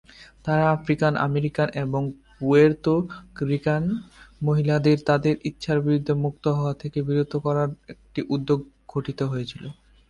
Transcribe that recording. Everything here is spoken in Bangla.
তারা আফ্রিকান আমেরিকান এবং পুয়ের্তো রিকান মহিলাদের তাদের ইচ্ছার বিরুদ্ধে মুক্ত হওয়া থেকে বিরত করার একটি উদ্যোগে গঠিত হয়েছিল।